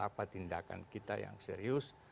apa tindakan kita yang serius